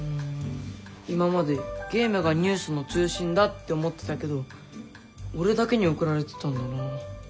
今までゲームがニュースの中心だって思ってたけど俺だけに送られてたんだな。